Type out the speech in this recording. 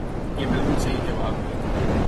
یہ بلکل صحیح جواب ہے۔